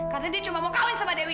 karena dia cuma mau kawin sama dewi